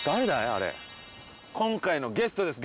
あれ今回のゲストです